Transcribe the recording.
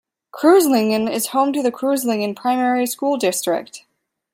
Kreuzlingen is home to the Kreuzlingen primary school district.